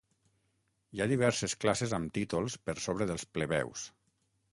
Hi ha diverses classes amb títols per sobre dels plebeus.